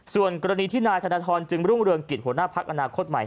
ส่วนกรณีที่นายธนทรจึงรุ่งเรืองกิจหัวหน้าพักอนาคตใหม่